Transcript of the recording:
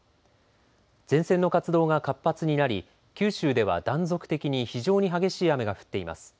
前線の活動が活発になり九州では断続的に非常に激しい雨が降っています。